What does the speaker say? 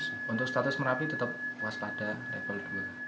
untuk status merapi tetap waspada level dua